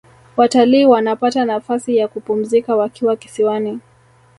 watalii wanapata nafasi ya kupumzika wakiwa kisiwani